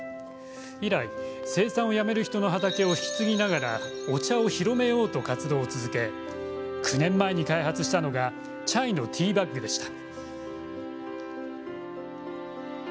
以来、生産をやめる人の畑を引き継ぎながらお茶を広めようと活動を続け９年前に開発したのがチャイのティーバッグでした。